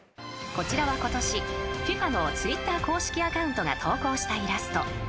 ［こちらは今年ＦＩＦＡのＴｗｉｔｔｅｒ公式アカウントが投稿したイラスト］